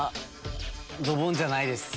ドボンじゃないです。